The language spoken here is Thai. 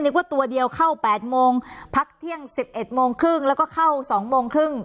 นึกว่าตัวเดียวเข้าแปดโมงพักเที่ยงสิบเอ็ดโมงครึ่งแล้วก็เข้าสองโมงครึ่ง